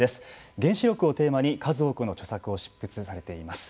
原子力をテーマに数多くの著作を執筆されています。